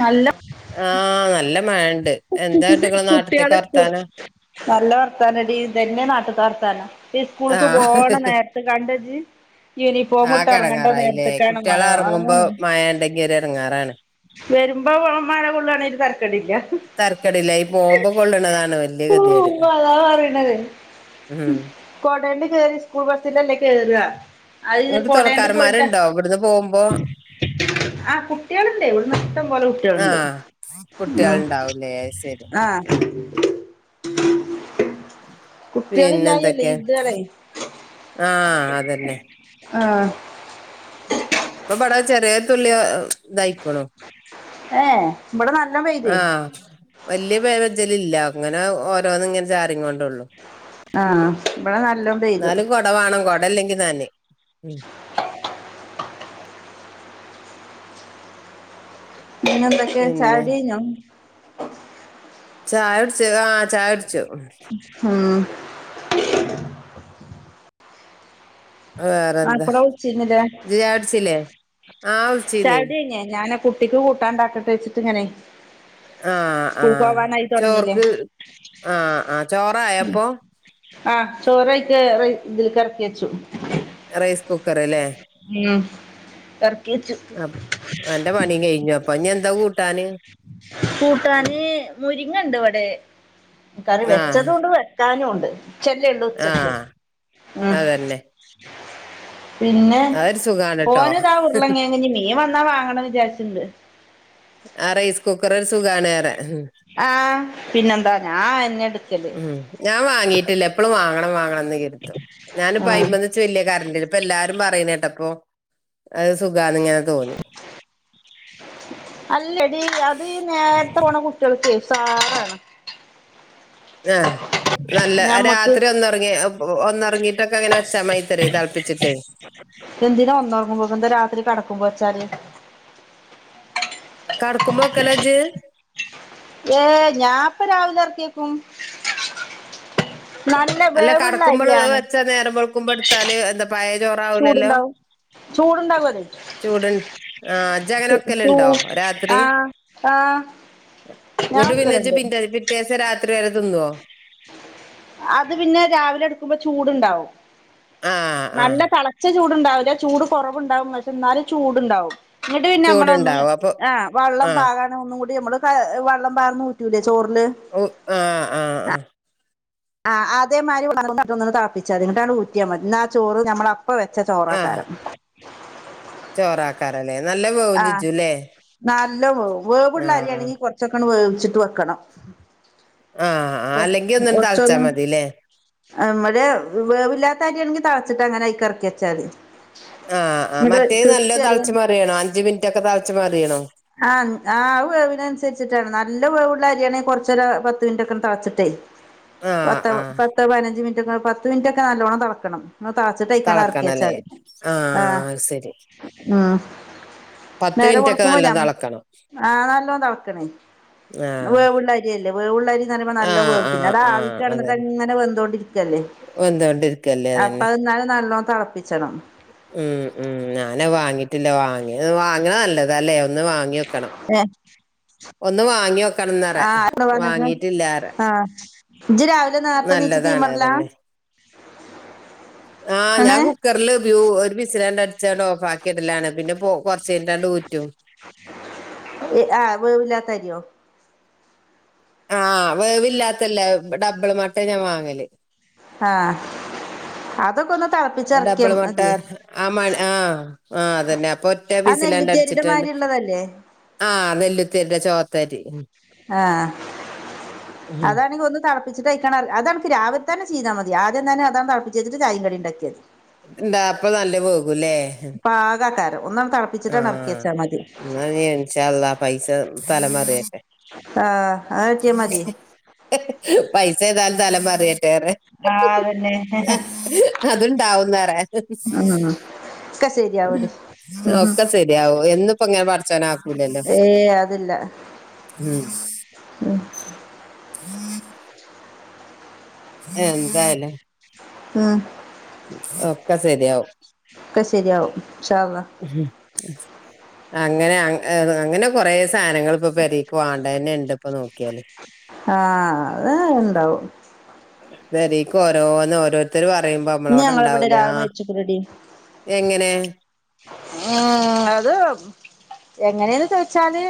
നല്ല ആഹ് നല്ല മഴണ്ട് എന്താ [unintelligible] നാട്ടത്തേക്ക് വർത്താനോ നല്ല വർത്താനടി ഇതന്നെ നാട്ട്ത്താ വർത്താനം ഈ സ്കൂൾക്ക് ആഹ് പോണ നേരത്ത് കണ്ട ജി യൂണി പോ മുട്ട് ആകെ ഇറങ്ങണ്ട എടങ്ങാറായില്ലേ നേരത്തക്കാണ് മഴ കുട്ട്യാള് ആഹ് എറങ്ങുമ്പോ മഴ ഇണ്ടെങ്കി ഒരു എടങ്ങാറാണ് വരുമ്പോ മഴ കൊള്ളാണ് ഒരു തർക്കടി തര്ക്കടില്ല ഈ പോമ്പോ കൊള്ളണതാണ് വെ അതാ പറയണേത് ഉം കൊടെല് കേറി സ്കൂൾ ബസ്സിൽ ല്ലേ കേറ കൊട അയ് ഇങ്ങട്ട് കൊടേണ്ട് പോയിട്ട തൊണക്കാരന്മാരുണ്ടോ ഇവിടുന്ന് പോകുമ്പോ ആഹ് കുട്ടിൾ ണ്ടെ ഇവിടന്ന് ഇഷ്ടം പോലെ കുട്ട ട്ട്യാൾണ്ട് ആഹ് ആഹ് കുട്ട്യാള്ണ്ടാവുംല്ലേ അത് ശരി ആഹ് കുട്ടിൾ പിന്നെ ഇല്ലായില്ലേ എന്തൊക്കെ ഈ താണേ ആഹ് അതന്നെ ആഹ് ഇപ്പൊ ഇബടെ ചെറിയ തുള്ളി ഇതായിക്ക്ണു ഏഹ് ഇവിടെ നല്ലോം പെയ്തേ ആഹ് വല്ല്യ പേവജൽ ഇല്ല അങ്ങനെ ഓരോന്ന ഇങ്ങനെ ചരിങ്ങോണ്ട് ഉള്ളു ആഹ് ഇവിടെ നല്ലോം പെയ്തു ഇന്നാലും കൊട വാണം കൊട ഇല്ലങ്കിൽ നനിം ഉമ് പിന്നെ എന്തൊക്കെ പിന്നെ ചായോടി കഴിഞ്ഞോ ചായ കുടിച്ചു ആഹ് ചായ കുടിച്ചു ആഹ് ആഹ് വേറെന്താ [unintelligible] ച്ചിഞ്ഞില്ലേ ഇജ്ജ് ചായ കുടിച്ചില്ലേ ആ കുടിച്ചീനി ചായോടി ഞ്ഞോ ഞാന കു ട്ടിക്ക് കൂട്ടാണ്ടാക്കട്ടെ വെച്ചിട്ട് ഇങ്ങനെ ആഹ് സ്കൂൾ ആഹ് പോവാനായി തുടങ്ങീല്ലേ ചോർക്ക് ആഹ് ആഹ് ചോറായപ്പോ ആഹ് ചോറയിക്ക് റയ് ഇതിൽ ക്ക് ഇറക്കി വെച്ചു റൈസ് കുക്കർ ല്ലേ ഉം ഇറക്കി വെച്ചു അപ് അന്റെ പണിയും കഴിഞ്ഞു അ അപ്പ ഞ്ഞി എന്താ കൂട്ടാന് കൂട്ടാന് മുരിങ്ങണ്ട് ഇവിടെ കറി ആ വെച്ചതോണ്ട് വെക്കാനുവൊണ്ട് ആ ചെല്ലെള്ളൂച്ചക്ക് ഉം അതന്നെ പിന്നെ അതൊരു സുഖാണ് ട്ടോ ഓനിതാ ഉരളങ്ങ [unintelligible] മീൻ വന്നാ വാങ്ങണവിചാരിച്ച്ന്ന് ആഹ് റൈസ് കുക്കറ് ഒരു സുഖണറെ ആഹ് അന്യട് ഉം ഞാൻ വാങ്ങീയിട്ടില്ല എപ്പളും വാങ്ങണം വാങ്ങണ ന്ന്കെരുതും ഞാനിപ്പോ ആഹ് ഐമെന്ന് [unintelligible] പ്പ എല്ലാരും പറയ്ന്നട്ടപ്പോ ആസു അല്ലടി അത് നേര്ത്തെ പോണ കുട്ട്യൾക്കെ സാ ആഹ് നല്ല ഞമ്മക്ക് രാത്രി ഒന്നൊറങ്ങി ഒന്നറങ്ങിട്ടക്കെ അങ്ങനെച്ചാ മ ഇത്എന്തിനാ ഒന്നൊറങ്ങുമ്പോന്താ രാത്രി കടക്കുമ്പോ ശ [unintelligible] കടക്കുമ്പോക്കെല്ലജ് ഏഹ് ഞാൻപ്പ രാവിലെ എറക്കേക്കും അല്ല കടക്കുമ്പോള് വെച്ചാ നേരം കൊളക്കുമ്പോ എടുത്താല് എന്താ പ ജോറാവൂലല്ലോ ചൂടുണ്ടാവും ചൂടുണ്ടാകും അത് ചൂട് ആഹ് ചൂ ജ്ജ്അങ്ങനെക്കെലുണ്ടോ രാത്രി ആഹ് ആഹ് ഞാൻ ഇങ്ങട്ട് പിന്നജ്ജ് വെക്കലുണ്ട് പി പിറ്റേസം രാത്രി വരെ തിന്ന്വോ അത് പിന്നെ രാവിലെ എടുക്കുമ്പോ ചൂടുണ്ടാവും അഹ് അഹ് ചൂട്ണ്ടാവില്ല ചൂട് കൊറവുണ്ടാവുംക്ഷെ എന്നാലും ചൂടുണ്ടാവും ഇങ്ങട്ട് പിന്നെ നമ്മളൊന്ന് ചൂടുണ്ടാവും അപ്പൊ ആഹ് വള്ളം ആഹ് പാകാന്നൊന്നൂടി നമ്മള് വള്ളം പാർന്നൂറ്റൂലെ ഓ ആഹ് ആഹ് ആഹ് ആഹ് അതേമരി [unintelligible] തളപ്പിച്ചാതി അങ്ട്ടാണ് ഊറ്റിയാ മതി ആ ചോറ് നമ്മള ഇപ്പൊ വെച്ച ചോറക്കാരം. ചോറാക്കാരം. ആഹ് നല്ലോ വേവും. വേവുള്ള ആഹ് അരിയാണെങ്കിൽ കൊർച്ചൊക്കാണ്ട് വേവ് ച്ചിട്ട് വെക്കണം. ആഹ് ആഹ് അല്ലെങ്കിൽ ഒന്നാണ്ട് തൾച്ചാ മതി ലേ. ആഹ് മയേ വേവില്ലാത്ത അര്യാണെങ്കിൽ താൾച്ചിട്ട് അങ്ങനെ അയ്ക്കർക്കിയച്ചാ തി. ആഹ് ആഹ് മറ്റേ നല്ലോ തൾച്ച് മറിയണോ? മിനിറ്റ് ഒക്കെ തളച്ചു മറിയണോ ആഹ് ആഹ് അഹ് വേവിനൻ സരിച്ചിട്ടാണ്. ന ല്ലോ വേവ്ള്ള അരിയാണെ കൊർച്ചേരം പത്ത് മിൻറ്റൊക്കെണ്ട് തൾച്ചിട്ടേയ് ആഹ് പത്ത ആഹ് പത്ത് പയിനഞ്ച് മിനിറ്റൊക്കെ പത്ത് മിൻറ്റൊക്കെ നല്ലോണം തളക്കണം. താച്ചിട്ട് അയ്ക്കാണ്ട് തളക്കണല്ലേ അർക്ക്യച്ചാതി. ആഹ് അത് ശരി ഉം പത്ത് നേരെ മിനിറ്റ് ഒക്കെ കൊടുക്കുമ്പോ നല്ലോ ഞം തളക്കണം ആഹ് നല്ലോ തൾക്കണേ. ആഹ് വേവ്ള്ള അരിയല്ലേ. വേവ്ള്ള അരി എന്ന് പറിമ്പോ നല്ലൊ ആഹ് വേവും. ആഹ് പിന്നതാവി ആഹ് കട്ന്നിട്ട് അതന്നെ അങ്ങനെ വെന്തോണ്ടിരിക്കല്ലേ. വെന്തോണ്ടിരിക്കല്ലേ അപ്പ അതന്നെ അത് ന്നാലും നല്ലോം തളപ്പിച്ചണം. ഉം ഉം ഞാന വാങ്ങീട്ടില്ല വാങ്ങിയത് വാങ്ങ നല്ലതാ ല്ലേ ഇന്ന് വാങ്യോക്കണം ഏ ഒന്ന് വാങ്യോക്കണംന്നറ. ആ വാങ്ങീട്ടില്ലാറ. ആ ഇജ്ജ് രാവിലെ നേരത്തെ നീച്ച് നല്ലതാണ് തീമറലാ അതന്നെ ആ ആണ് ഞാൻ കുക്കറില് വ്യൂ ഒരു ബിസിലങ്ങട് അടിച്ച [unintelligible] ഓഫാ കെടലാണ് പിന്നെ പോ [unintelligible] ഊറ്റും എ ആ വേവില്ലാത്തരിയോ ആ വേവില്ലാത്തല്ല ഇവിടെപള മട്ട ഞാൻ വാങ്ങല് ആഹ അ തെളപ്പിച്ചിറക്കിയ ഡബിൾ മട്ട മതി [inaudible] ആ മ ആ ആ അതന്നെ അപ്പൊ ആനെല്ലിതേരിടെ മാരി ഉള്ളതല്ലേ ആഹ് നെല്ലുത്തരിടെ ചോത്തരി ഉം ആ ഉം. അതാണെങ്കി ഒന്ന് തെള [unintelligible] അതമുക്ക് രാവിലെത്തേന് ചെയ്താൽ മതി ആദ്യം തന്നെ അതങ്ങു തിളപ്പിച്ച വച്ചിട്ട് ചായും കടി ഉണ്ടാക്കിയ മതി ന്താ അപ്പൊ നല്ല പോ പാഗാ തരും ആ എന്നാനിച്ചള്ളാ പൈസ തലമറിയൊക്കെ ആഹ് ആആഴ്‌ചേമതി പൈസ ഏതാലും തലമറിയട്ടെന്നെ ആഹ് [unintelligible] അതന്നെ അ അതുണ്ടാവുന്നറേ [inaudible] ഉം ഒക്കെ ശരിയാവടി ഉം ഒക്കെ ശരിയാവും എന്നിപ്പോങ്ങനെ പടച്ചോന ഉലല്ല ഏയ് അതില്ല ഉം [inaudible] ഉം [inaudible] എന്താലെ ഉം ഒക്ക ശരിയാവും ഒക്കെ ശരിയാവും ഇൻഷാ അള്ളാ ഉം അങ്ങനെ അങ്ങേ ഏഹ് ത് അങ്ങനെ കൊറേ സാധനങ്ങൾ ഇപ്പൊ പെരക്ക് വാങ്ങണ്ടെ [unintelligible] ഇപ്പൊ നോക്കിയാലേ ആഹ് അത് ഉണ്ടാവും പെരേക്ക് ഓരോന്ന് ഓരോരുത്തര് വ പറയുമ്പോ ഇന്ന് നമ്മളോടെ ഞങ്ങളെ ഇവിടെ ഉണ്ടാവുലെ ഒരാള് മരിച്ച്ക്ക്ണെടി എങ്ങനെ ഉം അത് എങ്ങനെയന്ന് ചോയ്ച്ചാല്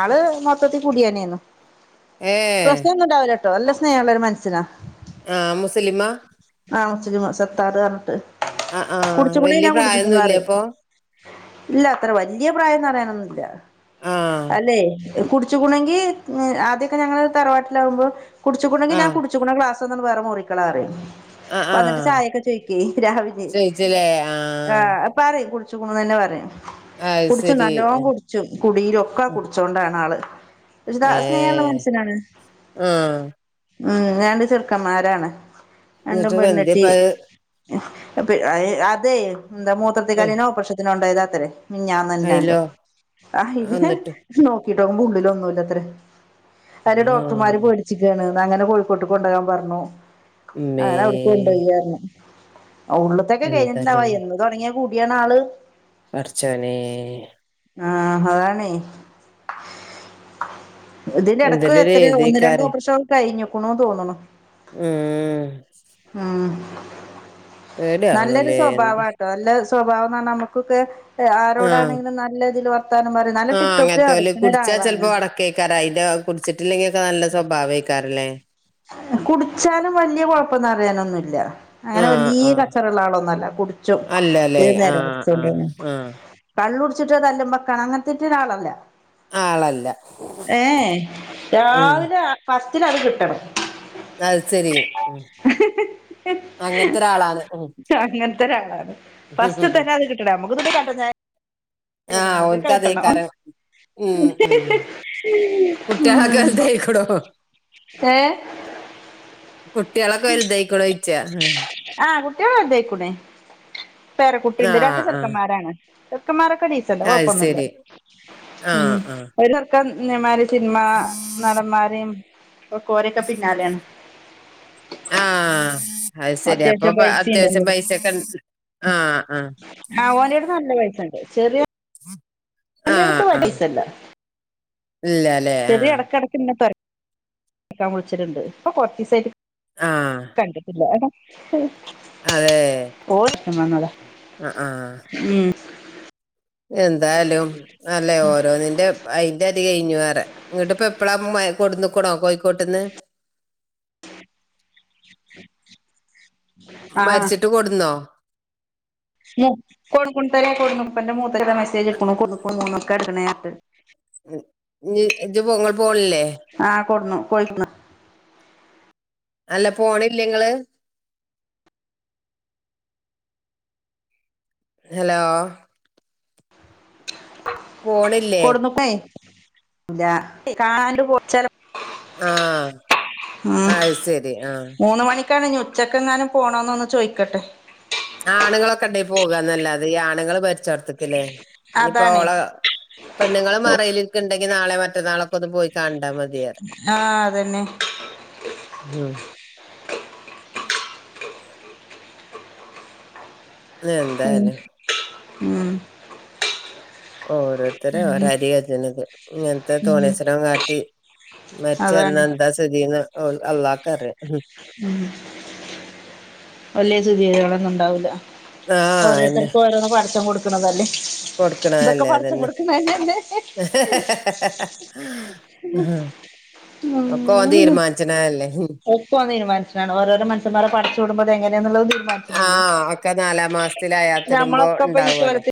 ആള് മൊത്തത്തി കുടിയന്നേരുന്നു ഏ ട് നല്ല സ്നേഹൊള്ള ഒരു മനുഷ്യനാ ആ മുസ്ലിമാ [unintelligible] സത്താറ് [unintelligible] ആഹ് ആഹ് കുടിച്ചക്കുണുന്ന വല്യ ഞാൻ കുടിചെക്കണുന്നു പ്രായൊന്നുല്ലേ അറിയാം അപ്പൊ ഇല്ല അത്ര വലിയ പ്രായന്ന് പറയാനൊന്നുമി ഇല്ല ആഹ് അല്ലേ കുടിച്ചിക്കുണുങ്കി ആദ്യമൊക്കെ ഞങ്ങള് തറവാട്ടിലാവുമ്പോ കുടിച്ചിക്കുണുങ്കിൽ ഞാൻ ആഹ് കുടിച്ചിക്കണ ഗ്ലാസ്‌ [unintelligible] വേറെ മുറിക്കളാറേ ആ ആ [unintelligible] രാവിലെ ആ ആഹ് പറയ് കുടിച്ചുക്കുണുന്ന് തന്നെ പറയും അത് കുടിച്ചും ശരി നല്ലോം ഏഹ് കുടിച്ചും കുടിയിലൊക്കെ കുടിച്ചോണ്ടാണ് ആള്. പക്ഷെ സ്നേഹമുള്ള മനുഷ്യനാണ് ആഹ് ഉം രണ്ട് ചെറുക്കന്മാരാണ് എന്നിട്ട് [unintelligible] ഏ പി അതെ എന്താ ഉം മൂത്രത്തിക്കല്ലിന് ഓപ്രക്ഷത്തിന് കൊണ്ടോയാതാത്രേ മിനിഞ്ഞാന്നാങ്ങണ്ടേ അയിലോ ആ ഇല് എന്നിട്ട് നോക്കിട്ടോവുമ്പ ഉള്ളില ഒന്നുമില്ലത്രേ അവര് ഡോക്ടർമാര് ആഹ് പേടിച്ചിക്കാണ് അങ്ങനെ കോഴിക്കോട്ടക്ക് കൊണ്ടകാൻ പറഞ്ഞു ആ ഇമ്മേ ഞാനവിടക്ക് കൊണ്ടോയാരുന്നു ഉള്ളിത്തൊക്കെ കഴിഞ്ഞിട്ടുണ്ടാവ എന്താല്ലേ എന്ന് തുടങ്ങിയ കൂടിയാണ് ആള് പടച്ചോനെ ആഹ് അതാണെ ഇതിന്റെ ഇടയ്ക്ക് എന്തെല്ലൊരു എത്രയ ഒന്ന് രണ്ടോ എഴുതേക്കാരെ ഓപ്പറേഷനോ കഴിഞ്ഞക്കണുന്ന് തോന്നണു ഉം നല്ലൊരു പേടിയാവണല്ലേ എന്ത് സ്വഭാവാട്ടോ നല്ല സ്വഭാവന്നർഞ്ഞ നമ്മുക്കൊക്കെ ആഹ് ആരോടാണെങ്കിലും നല്ല ഇതിൽ വർത്താനം പറിം. നല്ല ആഹ് ടിപ് ടോപ്പിൽ അട്ക്ക്ണൊരാളാണ്. യാ കുടിച്ചിട്ടില്ലെങ്കി ഒക്കെ നല്ല സ്വഭാവയ്ക്കാരല്ലേ കുടിച്ചാലും വല്യയ കൊഴപ്പൊന്നും അറിയാനൊന്നുല്ല. അങ്ങനെ ആഹ് വലീയ് ആഹ് കച്ചറ ഉള്ള ആളൊന്നല്ല കുടിച്ചും. അല്ലല്ലേ ഏത് നേരും ആഹ് ആഹ് കുടിച്ചോണ്ടന്നേ. ആഹ് കള്ളു കുടിച്ചിട്ട് തല്ലുമ്പ കാണ അങ്ങൻതേറ്റനാളല്ല. ആളല്ല ഏ ഉം രാവിലെ ഫസ്റ്റിലത് കിട്ടണം അത് ചെരി ഉം അങ്ങത്തെരാളാണ് ഉം അങ്ങനത്തെ ഒരാളാണ് ഫസ്റ്റ്തന്നെ ആക്ക് കിട്ടണം നമുക്കൊന്നും പോയി പ ആഹ ഓൻക്കാതെ കിട്ടണം പറ ഉം ഉം കുട്ട്യോളൊക്കെ എന്തെടുക്കാണ് ഏഹ്ഹ് കുട്ടികളൊക്കെ വലുതായിക്കൂളോയിച്ച ഉം ആ കുട്ടികളതെക്കുണ് പേര ആഹ് കുട്ടിണ്ട് രണ്ട് ആഹ് ചെറുക്കന്മാരാണ് ചെറുക്കന്മാരൊ ഒക്കെ ഡീസന്റാ അത് കൊഴപ്പൊന്നുല്ല ശരി ഉം ആഹ് ആഹ് ഒരു ചെറുക്കൻ മാര്യേജ് സിനിമ നടന്മാരെയും ഒ കോരൊക്കെ പിന്നാലെയാണ് ആഹ് അത് ശരി അത്യാവശ്യം അപ്പൊപ്പ അത്യാവശ്യം പൈസയുണ്ട് വൈസക്കെ ഒണ്ട ആ ഓനട് നല്ല വയസുണ്ട് ചെറിയ ആഹ് ന്റടുത്തവൻ ആഹ് ഡിസെന്റാ ഇല്ലല്ലേ ചെറിയ ആഹ് ഇടക്കിടയ്ക്കിങ്ങതൊരാ കേക്കാൻ വിളിച്ചിട്ടുണ്ട് അപ്പൊ കൊറച്ചസായിട്ട് ആഹ് കണ്ടിട്ടില്ല [unintelligible] ഉം അതെ എന്നാന്നാനെ ആഹ ആഹ് എന്താലും അല്ലേ ഓരോന്നിന്റെ അയി ന്റെ അത് കഴിഞ്ഞു വേറെ ഇങ്ങോട്ടിപ്പ എപ്പളാ ഉമ്മുമ്മയേ കൊടുന്നുക്കണോ കോഴിക്കോട്ടന്ന് [inaudible] മരിച്ചിട്ട് കൊടുന്നോ മ കൊൺ കോൺതരേ കൊടുപ്പന്റെ മൂത്തടെ മെസേജ് എക്ക കൊന്നൊക്കെ എടുക്കണ [inaudible] മ് ജ്ജ് ജ്ജുപ്പോ ആഹ കൊടന്നു കൊഴുക്കണ് അല്ല പോണില്ലങ്ങള് ഹലോ പോണില്ലെ കൊടുന്നുക്കേ ഇല്ല കാണാണ്ട് [unintelligible] ആഹ അത് ശരി ആഹ ട്ടാണ് ഉച്ചക്കെ എങ്ങാനും പോണോന്ന് ഒന്ന് ചോയിക്കട്ടെ ആണുങ്ങളൊക്കെണ്ടാ പോകാന്നല്ലാതെ ഈ ആണുങ്ങൾ വര് ചേർത്തക്കല്ലേ ഇനിപ്പോ അതാണ് ഓളെ പെണ്ണുങ്ങള് മറയിലിരിക്കണ്ടെങ്കി നാളെ മറ്റന്നാളൊ മ്മക്ക്ന്ന് പോയി കണ്ടാ മതിയാർന്ന് ആഹ് അതന്നെ മഉം [inaudible] എന്തായാലും മം ഓരോരുത്തര് ഒരരിയതിന്നത് ഇങ്ങനത്തെ തോന്ന്യാസരം കാട്ടി അതാണ് മരിച്ചന്നന്താ സിദീന്ന് അല്ലാക്കറിയാം ഉ വലിയ സ്ഥിതികളൊന്നും ഉണ്ടാവില്ല ആ അന്നെ ഓരോരുത്തർക്കും ഓരോന്നും പടച്ചോൻ കൊടുക്ക ന്തക്കെ കൊടുക്കണതല്ലേ പടച്ചോൻ അതന്നെ കൊട്ക്ക്ണ ന്നെ ല്ലേ [unintelligible] ഒക്ക ഓൻ തീരുമാനിച്ച് ണല്ലേ ഓൾക്ക് ഓൻ തീരുമാനിച്ചനാണ് ഓരോരോ മനസന്മാരെ പടച്ചൂടുമ്പോ തങ്ങനെയുള്ളത് ആ തീരുമാനിച്ചല്ലെ ഒക്കെ നാലാം മാസത്തിൽ ഞമ്മളൊക്കെ ഇപ്പ ഈ കോലത്തിൽ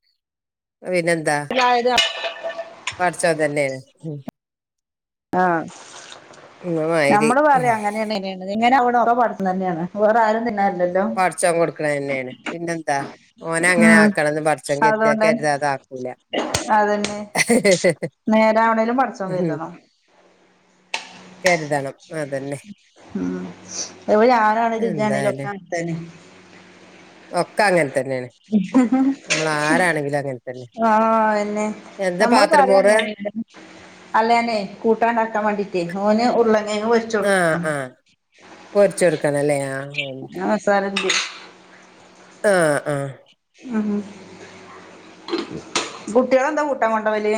പിന്നെന്ത പടച്ചോൻ തന്നെയാണ് ഉ ആ ഇന്നമാതിരി നമ്മള് പറയാ അങ്ങനെയാണ് ഇങ്ങനെണ് ഇങ്ങനെ അവണക്കെ പടിച്ച് ണ ന്നെയാണ് വേറെ ആരും തിന്നാൻ ല്ല പടച്ചോൻ കൊടുക്കണ തന്നെയാണ് പിന്നെന്താ ഓനെ അങ്ങനെ ഉം ആക്കണംന്ന് പഠച്ചോൻ കരുതിയ അതുകൊണ്ടന്നെ കരുതാ പറ്റൂല അതന്നെ നേരെ അവണേലും പടച്ചോൻ ഉം കരുതണം കരുതണം അതന്നെ മ് പ്പഞാനാണലും ഇജാണലുംക്കെ എന്തായാലും അങ്ങനെ തന്നെ ഒക്കെ അങ്ങൻതന്നെയാണ് തന്നെ ആ അ തന്നെ എന്താ നമ്മള് പാത്രം പറയാ മോറുക അങ്ങനെ ണ് അല്ലനെ കൂട്ടാണ്ടാക്കാൻ വേണ്ടീട്ടേ ഓന് ഉരുളംകെയങ്ങ് പൊരിച്ച് കൊടുക്കണം പൊരിച്ച് കൊടുക്കാനല്ലേ ആ ന്ത് ആ ആ അ കുട്ട്യളെന്താ കൂട്ടാൻ കൊണ്ടവല്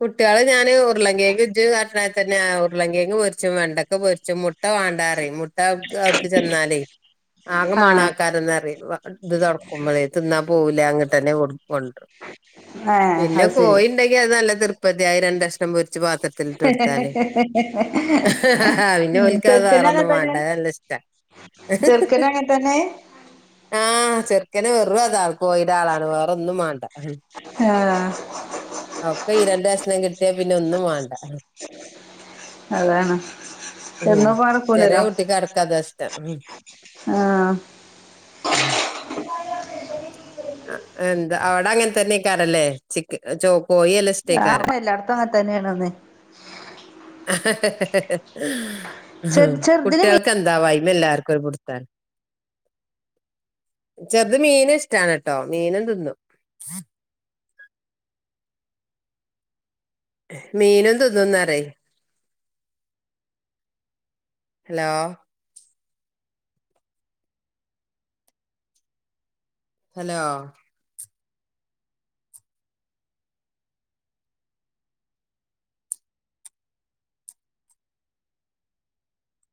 കുട്ട്യാള് ഞാന് ഉരുള കേങ്ങ് ഇജ് പറഞ്ഞാതിരിതന്നെ ഉരുള കേങ്ങ് പൊരിച്ചും വെണ്ടക്ക പൊരിച്ചും മുട്ട ക് വാണ്ടാറിം മുട്ട അവിടുക്ക് ചെന്നാലേ ആകമാണ ആഹ് ക്കാര ന്ന്അറിംഇത് തുറക്കുമ്പോളേ തിന്നാൻ പോവൂല അങ്ങോട്ട് തന്നെ കൊടു കൊണ്ടരും ഏഹ് പിന്നെ അത് ശരി കോഴിണ്ടെങ്കി അത് നല്ല പൊതിയായി രണ്ടഷണം പൊരിച്ച് പാത്രത്തിലിട്ട് കൊടുത്താല് ഉം പിന്നൊല്ക്ക് അഹ് വെറൊന്നും വേണ്ട അത്‌ നല്ലഷ്ട്ട ചേർക്കനും അങ്ങനെത്തന്നെ ആ ചെറുക്കന് വെറു അ താ കോഴിടെ ആളാണ് വേറെ ഒന്നുംമാണ്ട ആഹ് പ്പം ഈ രണ്ട്കഷണം കിട്ടിയാ പിന്നെ ഒന്നും വേണ്ട അതാണ് ഉ എന്നും ഇപ്പ ചെറിയ കുട്ടിക്കടക്കം അതാഇഷ്ടം ആ അ എന്താ അവിടെ അങ്ങനെ തന്നെക്കാരല്ലേ ചിക്ക ചോ കോഴി നല്ലഷ്ട്ടായികാരം ആഹ് എല്ലായിടത്തും അങ്ങനെ തന്നെയാണ്ന്ന് അഹ അ ചെർ ചെറുതിന് മീ കുട്ടികൾക്ക് എന്താ വായി ന്നെ എല്ലാർക്കും ഒരുപുടുത്താണ് ചെർത് മീൻ ഇഷ്ട്ടാണ്ട്ടോ മീനും തിന്നും മീനും തിന്നും ന്നറിം ഹലോ ഹലോ